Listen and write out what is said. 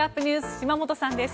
島本さんです。